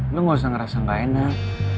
lo gak usah ngerasa gak enak